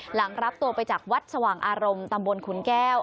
หลังรับตัวไปจากวัดสว่างอารมณ์ตำบลขุนแก้ว